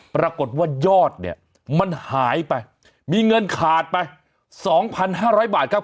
ปรากฏว่ายรอดเนี้ยมันหายไปมีเงินขาดไปสองพันห้าร้อยบาทครับ